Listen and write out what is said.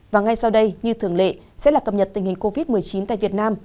và ngay sau đây như thường lệ sẽ là cập nhật tình hình covid một mươi chín tại việt nam